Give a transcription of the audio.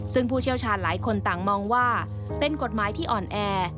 ซึ่งผู้เชี่ยวชาญหลายคนต่างมองว่าเป็นกฎหมายที่อ่อนแอ